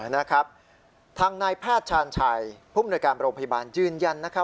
นะครับทางนายแพทย์ชาญชัยผู้มนวยการโรงพยาบาลยืนยันนะคะ